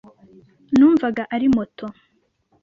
Numvaga ari muto .